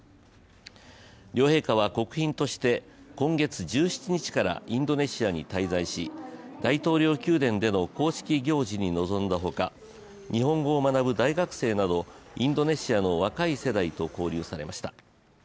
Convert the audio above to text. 両陛下は国賓として今月１７日からインドネシアに滞在し、大統領宮殿での公式行事に臨んだほか、日本語を学ぶ大学生などインドネシアの若い世代と交流されました。